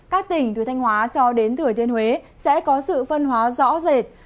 các tỉnh từ thanh hóa cho đến thừa thiên huế sẽ có sự phân hóa rõ rệt